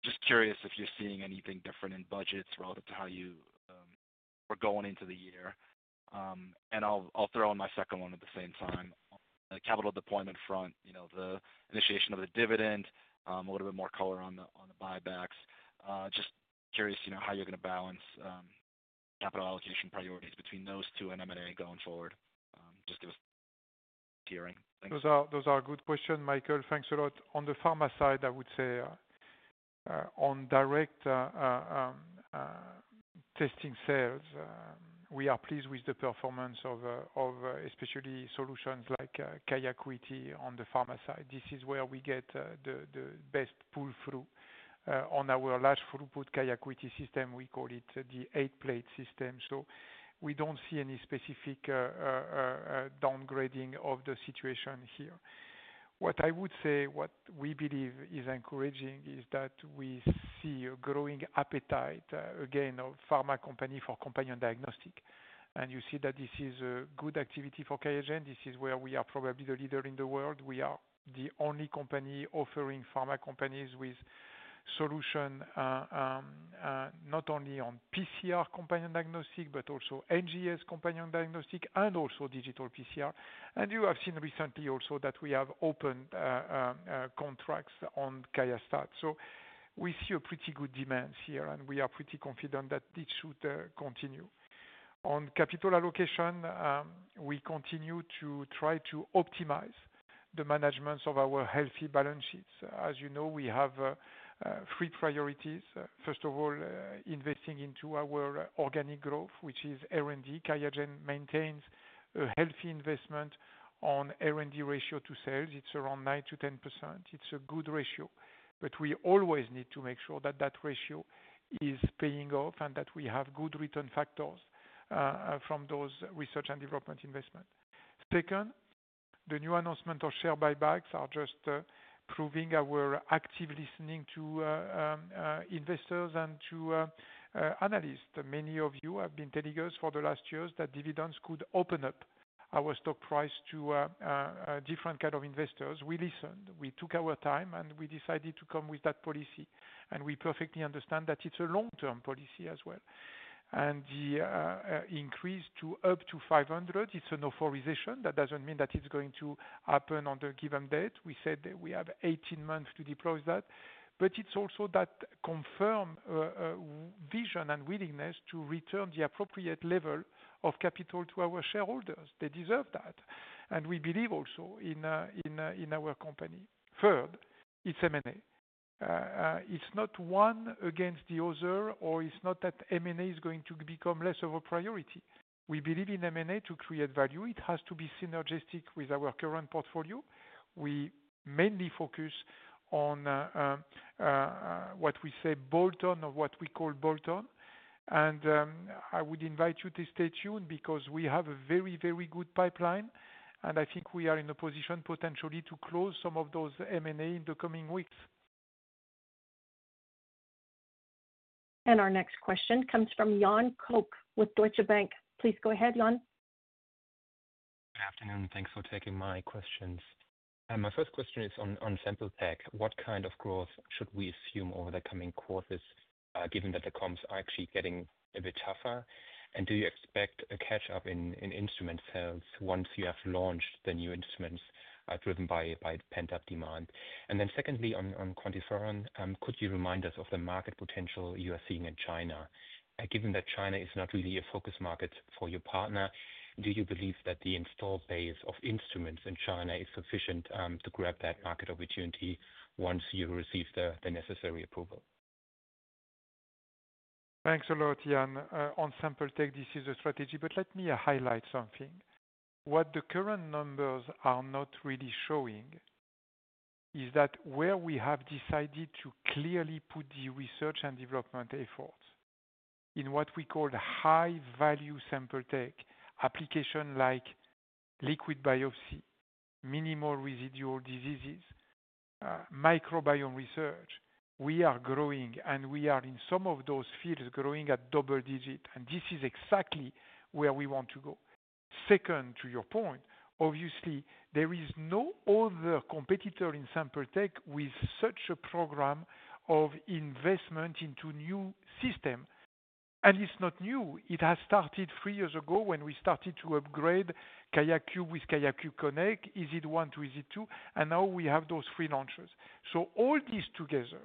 Just curious if you're seeing anything different in budgets relative to how you were going into the year. I'll throw in my second one at the same time. Capital deployment front, the initiation of the dividend, a little bit more color on the buybacks. Just curious how you're going to balance capital allocation priorities between those two and M&A going forward. Just give us a tiering. Thanks.
Those are good questions, Michael. Thanks a lot. On the pharma side, I would say on direct testing sales, we are pleased with the performance of especially solutions like QIAcuity on the pharma side. This is where we get the best pull-through. On our large throughput QIAcuity system, we call it the eight-plate system. So we don't see any specific downgrading of the situation here. What I would say, what we believe is encouraging is that we see a growing appetite, again, of pharma company for companion diagnostic. And you see that this is a good activity for QIAGEN. This is where we are probably the leader in the world. We are the only company offering pharma companies with solution not only on PCR companion diagnostic, but also NGS companion diagnostic, and also digital PCR. You have seen recently also that we have opened contracts on QIAstat. We see a pretty good demand here, and we are pretty confident that it should continue. On capital allocation, we continue to try to optimize the management of our healthy balance sheets. As you know, we have three priorities. First of all, investing into our organic growth, which is R&D. QIAGEN maintains a healthy investment on R&D ratio to sales. It's around 9%-10%. It's a good ratio. We always need to make sure that that ratio is paying off and that we have good return factors from those research and development investments. Second, the new announcement of share buybacks are just proving our active listening to investors and to analysts. Many of you have been telling us for the last years that dividends could open up our stock price to different kinds of investors. We listened. We took our time, and we decided to come with that policy, and we perfectly understand that it's a long-term policy as well, and the increase to up to 500, it's an authorization. That doesn't mean that it's going to happen on the given date. We said that we have 18 months to deploy that, but it's also that confirm vision and willingness to return the appropriate level of capital to our shareholders. They deserve that, and we believe also in our company. Third, it's M&A. It's not one against the other, or it's not that M&A is going to become less of a priority. We believe in M&A to create value. It has to be synergistic with our current portfolio. We mainly focus on what we say bolt-on or what we call bolt-on. And I would invite you to stay tuned because we have a very, very good pipeline. And I think we are in a position potentially to close some of those M&A in the coming weeks.
Our next question comes from Jan Koch with Deutsche Bank. Please go ahead, Jan.
Good afternoon. Thanks for taking my questions. My first question is on sample tech. What kind of growth should we assume over the coming quarters given that the comps are actually getting a bit tougher? And do you expect a catch-up in instrument sales once you have launched the new instruments driven by pent-up demand? And then secondly, on QuantiFERON, could you remind us of the market potential you are seeing in China? Given that China is not really a focus market for your partner, do you believe that the install base of instruments in China is sufficient to grab that market opportunity once you receive the necessary approval?
Thanks a lot, Jan. On sample tech, this is a strategy, but let me highlight something. What the current numbers are not really showing is that where we have decided to clearly put the research and development efforts in what we call high-value sample tech, application like liquid biopsy, minimal residual diseases, microbiome research, we are growing, and we are in some of those fields growing at double digit. And this is exactly where we want to go. Second, to your point, obviously, there is no other competitor in sample tech with such a program of investment into new systems. And it's not new. It has started three years ago when we started to upgrade QIAcube with QIAcube Connect, EZ1 to EZ2, and now we have those three launches. So all this together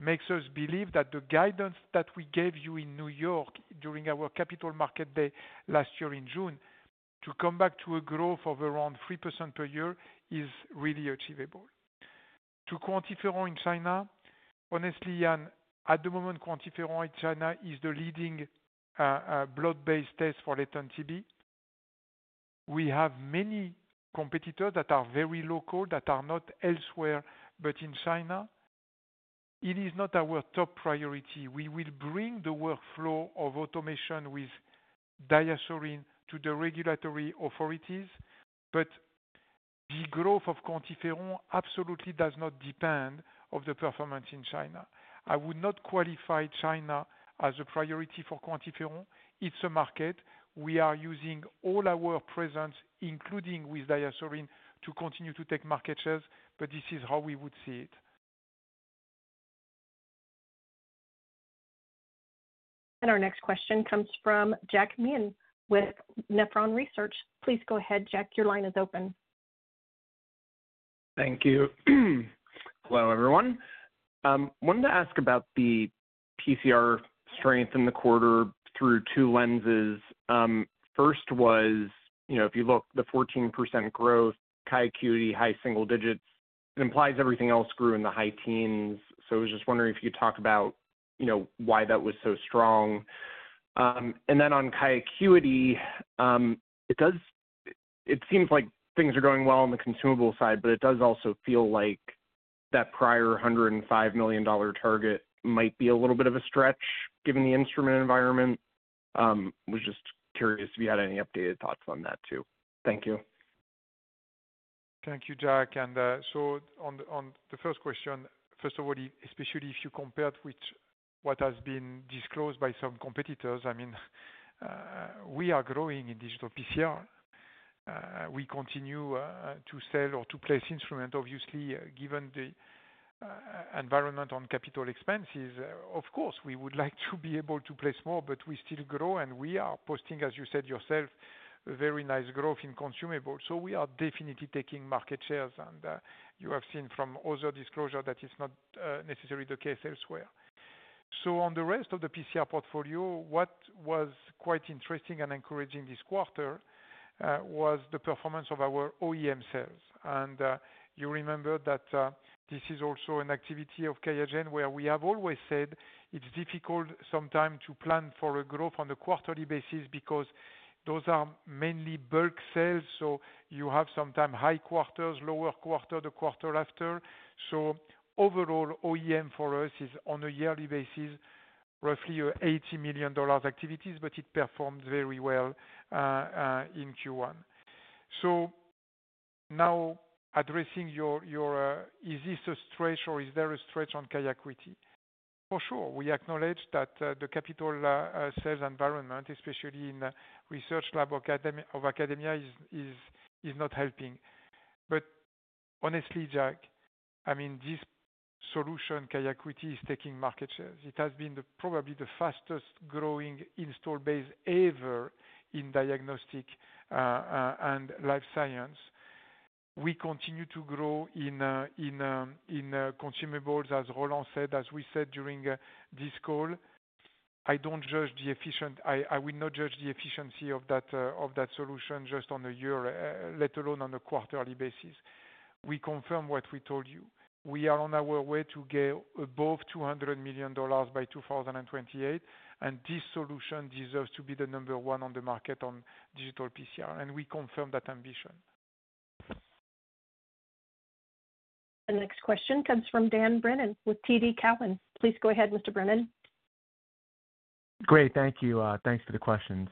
makes us believe that the guidance that we gave you in New York during our capital market day last year in June to come back to a growth of around 3% per year is really achievable. To QuantiFERON in China, honestly, Jan, at the moment, QuantiFERON in China is the leading blood-based test for latent TB. We have many competitors that are very local, that are not elsewhere, but in China. It is not our top priority. We will bring the workflow of automation with DiaSorin to the regulatory authorities, but the growth of QuantiFERON absolutely does not depend on the performance in China. I would not qualify China as a priority for QuantiFERON. It's a market. We are using all our presence, including with DiaSorin, to continue to take market shares, but this is how we would see it.
Our next question comes from Jack Meehan with Nephron Research. Please go ahead, Jack. Your line is open.
Thank you. Hello, everyone. I wanted to ask about the PCR strength in the quarter through two lenses. First was, if you look, the 14% growth, QIAcuity, high single digits. It implies everything else grew in the high teens. So I was just wondering if you could talk about why that was so strong. And then on QIAcuity, it seems like things are going well on the consumable side, but it does also feel like that prior $105 million target might be a little bit of a stretch given the instrument environment. I was just curious if you had any updated thoughts on that too. Thank you.
Thank you, Jack. And so on the first question, first of all, especially if you compared with what has been disclosed by some competitors, I mean, we are growing in digital PCR. We continue to sell or to place instruments, obviously, given the environment on capital expenses. Of course, we would like to be able to place more, but we still grow, and we are posting, as you said yourself, a very nice growth in consumables. So we are definitely taking market shares, and you have seen from other disclosures that it's not necessarily the case elsewhere. On the rest of the PCR portfolio, what was quite interesting and encouraging this quarter was the performance of our OEM sales. You remember that this is also an activity of QIAGEN where we have always said it's difficult sometimes to plan for a growth on a quarterly basis because those are mainly bulk sales. You have sometimes high quarters, lower quarter, the quarter after. Overall, OEM for us is on a yearly basis, roughly $80 million activities, but it performed very well in Q1. Now addressing your, is this a stretch or is there a stretch on QIAcuity? For sure, we acknowledge that the capital sales environment, especially in research lab of academia, is not helping. But honestly, Jack, I mean, this solution, QIAcuity, is taking market shares. It has been probably the fastest growing install base ever in diagnostic and life science. We continue to grow in consumables, as Roland said, as we said during this call. I don't judge the efficiency. I will not judge the efficiency of that solution just on a year, let alone on a quarterly basis. We confirm what we told you. We are on our way to get above $200 million by 2028, and this solution deserves to be the number one on the market on digital PCR. And we confirm that ambition.
The next question comes from Dan Brennan with TD Cowen. Please go ahead, Mr. Brennan.
Great. Thank you. Thanks for the questions.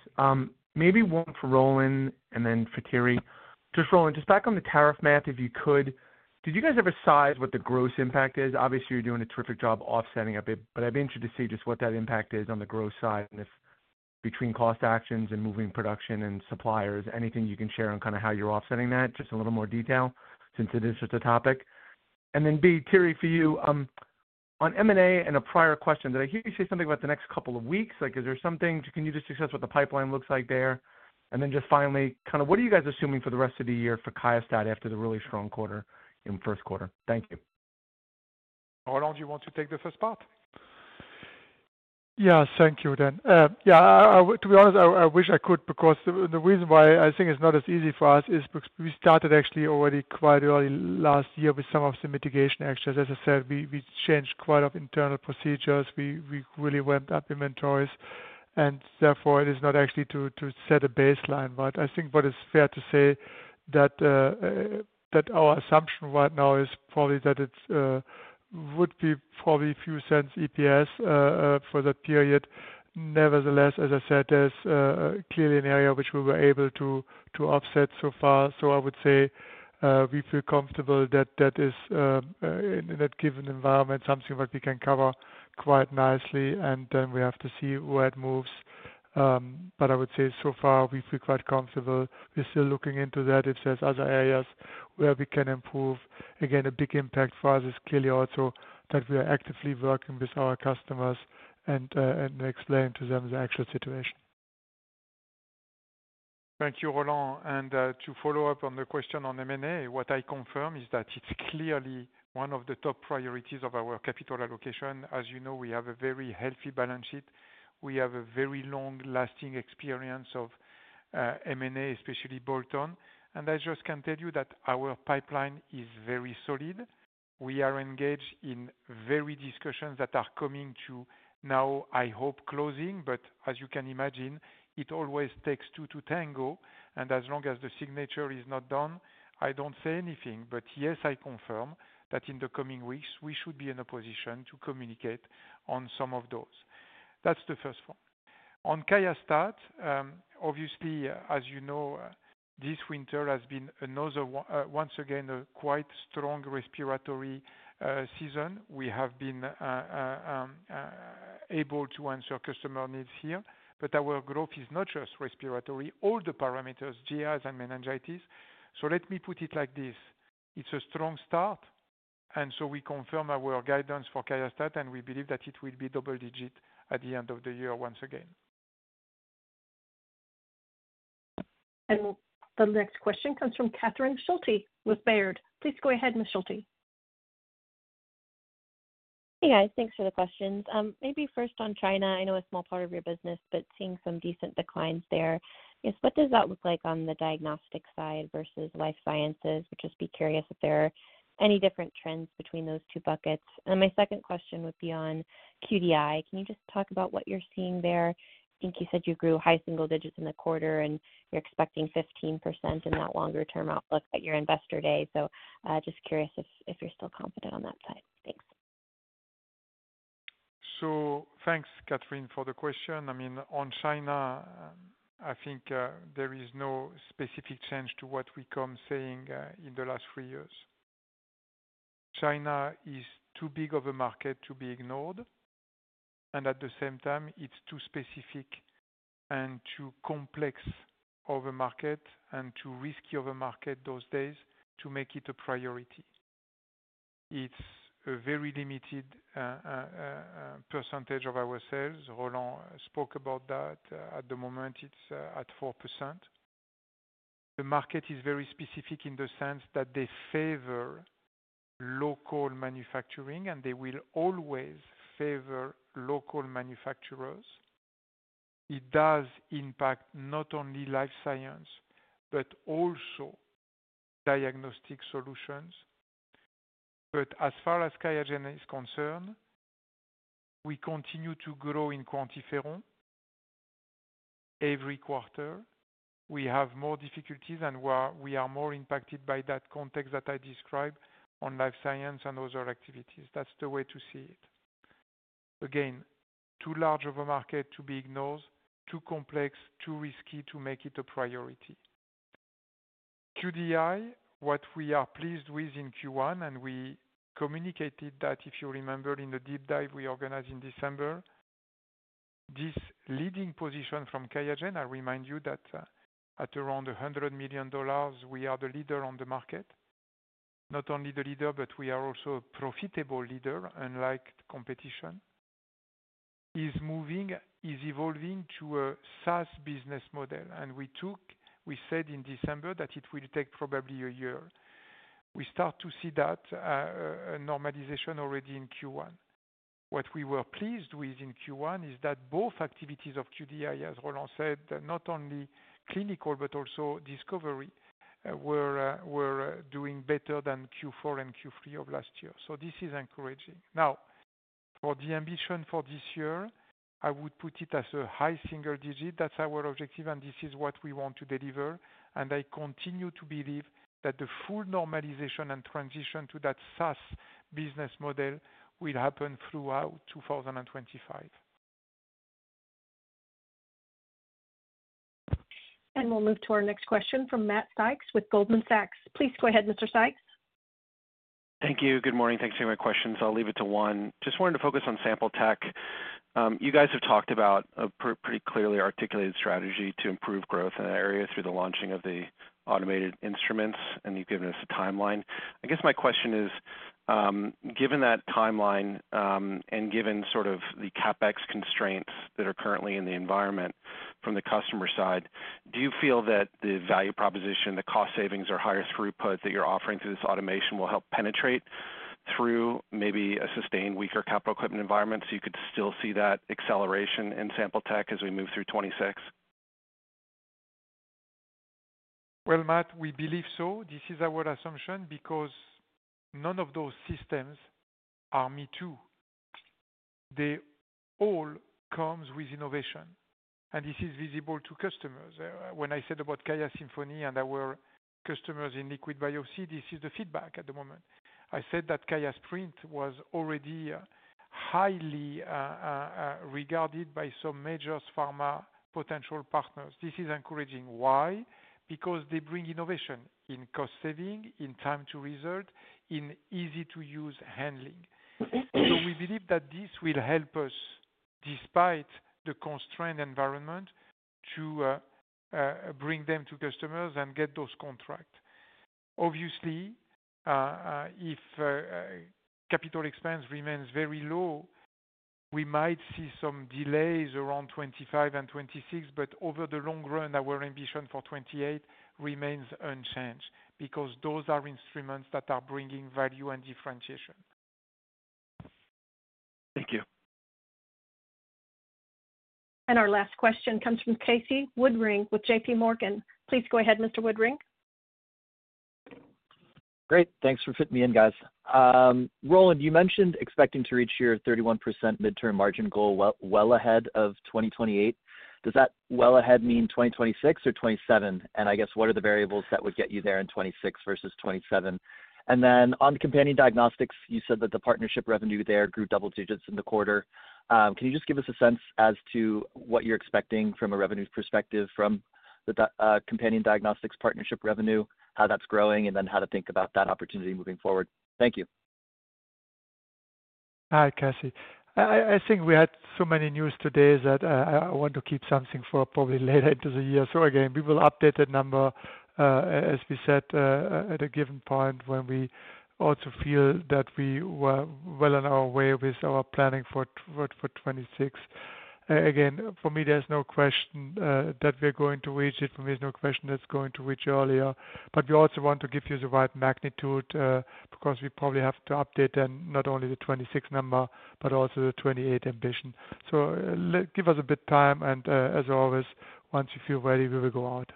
Maybe one for Roland and then for Thierry. Just Roland, just back on the tariff math, if you could, did you guys ever size what the gross impact is? Obviously, you're doing a terrific job offsetting a bit, but I'd be interested to see just what that impact is on the gross side and if between cost actions and moving production and suppliers, anything you can share on kind of how you're offsetting that, just a little more detail since it is such a topic. And then B, Thierry, for you, on M&A and a prior question, did I hear you say something about the next couple of weeks? Is there something? Can you just discuss what the pipeline looks like there? And then just finally, kind of what are you guys assuming for the rest of the year for QIAstat after the really strong quarter in first quarter? Thank you.
Roland, you want to take the first part?
Yes, thank you, Dan. Yeah, to be honest, I wish I could because the reason why I think it's not as easy for us is because we started actually already quite early last year with some of the mitigation actions. As I said, we changed quite a lot of internal procedures. We really went up inventories. And therefore, it is not actually to set a baseline, but I think what is fair to say that our assumption right now is probably that it would be probably a few cents EPS for that period. Nevertheless, as I said, there's clearly an area which we were able to offset so far. So I would say we feel comfortable that that is, in that given environment, something that we can cover quite nicely. And then we have to see where it moves. But I would say so far, we feel quite comfortable. We're still looking into that. If there's other areas where we can improve, again, a big impact for us is clearly also that we are actively working with our customers and explain to them the actual situation.
Thank you, Roland. And to follow up on the question on M&A, what I confirm is that it's clearly one of the top priorities of our capital allocation. As you know, we have a very healthy balance sheet. We have a very long-lasting experience of M&A, especially bolt-on. And I just can tell you that our pipeline is very solid. We are engaged in various discussions that are coming to a close now, I hope. But as you can imagine, it always takes two to tango. And as long as the signature is not done, I don't say anything. But yes, I confirm that in the coming weeks, we should be in a position to communicate on some of those. That's the first one. On QIAstat, obviously, as you know, this winter has been another, once again, a quite strong respiratory season. We have been able to answer customer needs here. But our growth is not just respiratory. All the parameters, GIs and meningitis. So let me put it like this. It's a strong start. And so we confirm our guidance for QIAstat, and we believe that it will be double digit at the end of the year once again.
The next question comes from Catherine Schulte with Baird. Please go ahead, Ms. Schulte.
Hey, guys. Thanks for the questions. Maybe first on China, I know a small part of your business, but seeing some decent declines there. I guess, what does that look like on the diagnostic side versus life sciences? Would just be curious if there are any different trends between those two buckets. And my second question would be on QDI. Can you just talk about what you're seeing there? I think you said you grew high single digits in the quarter, and you're expecting 15% in that longer-term outlook at your investor day. So just curious if you're still confident on that side. Thanks.
So thanks, Catherine, for the question. I mean, on China, I think there is no specific change to what we've been saying in the last three years. China is too big of a market to be ignored. And at the same time, it's too specific and too complex of a market and too risky of a market these days to make it a priority. It's a very limited percentage of our sales. Roland spoke about that. At the moment, it's at 4%. The market is very specific in the sense that they favor local manufacturing, and they will always favor local manufacturers. It does impact not only life science, but also diagnostic solutions. But as far as QIAGEN is concerned, we continue to grow in QuantiFERON every quarter. We have more difficulties, and we are more impacted by that context that I described on life science and other activities. That's the way to see it. Again, too large of a market to be ignored, too complex, too risky to make it a priority. QDI, what we are pleased with in Q1, and we communicated that, if you remember, in the deep dive we organized in December, this leading position from QIAGEN. I remind you that at around $100 million, we are the leader on the market. Not only the leader, but we are also a profitable leader unlike competition. Is moving, is evolving to a SaaS business model. And we said in December that it will take probably a year. We start to see that normalization already in Q1. What we were pleased with in Q1 is that both activities of QDI, as Roland said, not only clinical, but also discovery, were doing better than Q4 and Q3 of last year. So this is encouraging. Now, for the ambition for this year, I would put it as a high single digit. That's our objective, and this is what we want to deliver. I continue to believe that the full normalization and transition to that SaaS business model will happen throughout 2025.
We'll move to our next question from Matt Sykes with Goldman Sachs. Please go ahead, Mr. Sykes.
Thank you. Good morning. Thanks for your questions. I'll leave it to one. Just wanted to focus on sample tech. You guys have talked about a pretty clearly articulated strategy to improve growth in that area through the launching of the automated instruments, and you've given us a timeline. I guess my question is, given that timeline and given sort of the CapEx constraints that are currently in the environment from the customer side, do you feel that the value proposition, the cost savings, or higher throughput that you're offering through this automation will help penetrate through maybe a sustained weaker capital equipment environment so you could still see that acceleration in sample tech as we move through 2026?
Well, Matt, we believe so. This is our assumption because none of those systems are me too. They all come with innovation, and this is visible to customers. When I said about QIAsymphony and our customers in liquid biopsy, this is the feedback at the moment. I said that QIAsprint was already highly regarded by some major pharma potential partners. This is encouraging. Why? Because they bring innovation in cost saving, in time to result, in easy-to-use handling. So we believe that this will help us, despite the constrained environment, to bring them to customers and get those contracts. Obviously, if capital expense remains very low, we might see some delays around 2025 and 2026, but over the long run, our ambition for 2028 remains unchanged because those are instruments that are bringing value and differentiation.
Thank you.
Our last question comes from Casey Woodring with JPMorgan. Please go ahead, Mr. Woodring.
Great. Thanks for fitting me in, guys. Roland, you mentioned expecting to reach your 31% midterm margin goal well ahead of 2028. Does that well ahead mean 2026 or 2027? And I guess, what are the variables that would get you there in 2026 versus 2027? And then on companion diagnostics, you said that the partnership revenue there grew double digits in the quarter. Can you just give us a sense as to what you're expecting from a revenue perspective from the companion diagnostics partnership revenue, how that's growing, and then how to think about that opportunity moving forward? Thank you.
Hi, Casey. I think we had so many news today that I want to keep something for probably later into the year. So again, we will update the number, as we said, at a given point when we also feel that we were well on our way with our planning for 2026. Again, for me, there's no question that we're going to reach it. For me, there's no question that's going to reach earlier. But we also want to give you the right magnitude because we probably have to update then not only the 2026 number, but also the 2028 ambition. So give us a bit of time. As always, once you feel ready, we will go out.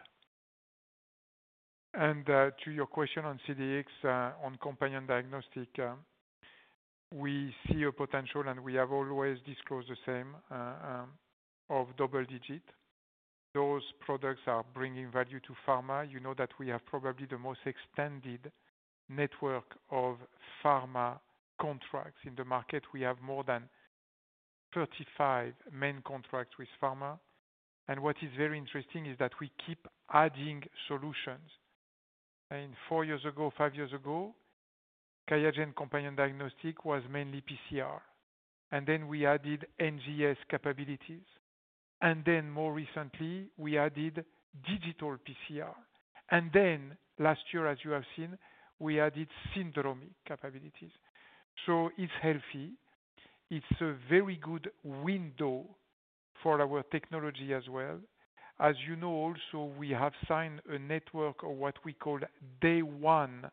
To your question on CDx, on companion diagnostic, we see a potential, and we have always disclosed the same of double digit. Those products are bringing value to pharma. You know that we have probably the most extended network of pharma contracts in the market. We have more than 35 main contracts with pharma. What is very interesting is that we keep adding solutions. Four years ago, five years ago, QIAGEN companion diagnostic was mainly PCR. Then we added NGS capabilities. More recently, we added digital PCR. Last year, as you have seen, we added syndromic capabilities. So it's healthy. It's a very good window for our technology as well. As you know, also, we have signed a network of what we call Day-One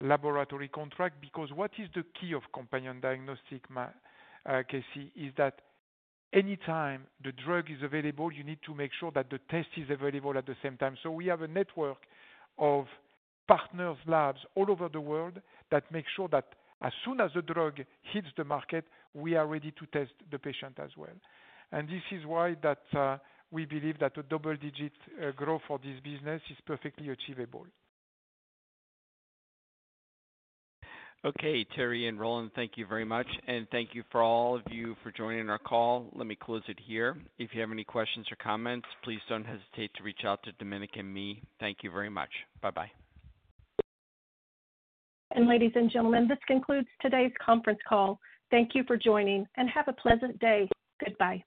Laboratory Contract because what is the key of companion diagnostic, Casey, is that anytime the drug is available, you need to make sure that the test is available at the same time. So we have a network of partners, labs all over the world that make sure that as soon as the drug hits the market, we are ready to test the patient as well. And this is why that we believe that a double-digit growth for this business is perfectly achievable.
Okay, Thierry and Roland, thank you very much. And thank you for all of you for joining our call. Let me close it here. If you have any questions or comments, please don't hesitate to reach out to Domenica and me. Thank you very much. Bye-bye.
Ladies and gentlemen, this concludes today's conference call. Thank you for joining, and have a pleasant day. Goodbye.